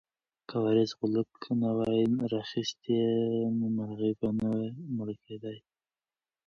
که وارث غولکه نه وای راخیستې نو مرغۍ به نه مړه کېده.